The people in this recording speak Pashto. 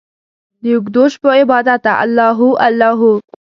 داوږدوشپو عبادته الله هو، الله هو